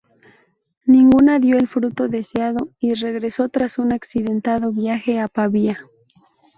Ninguna dio el fruto deseado y regresó, tras un accidentado viaje, a Pavía.